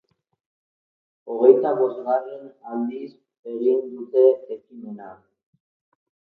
Hogeita bosgarren aldiz egin dute ekimena.